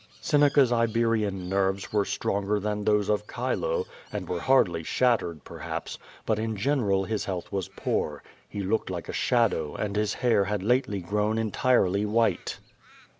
Seneca's Iberian nerves were stronger than those of Chile, and were hardly shattered, perhaps, but in general his health QUO VADI8. 423 was poor. He looked like a shadow, and his hair had lately grown entirely white.